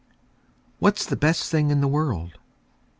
What's the best thing in the world?